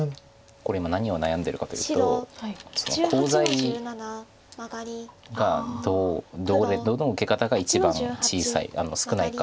これ今何を悩んでるかと言うとコウ材がどの受け方が一番少ないか。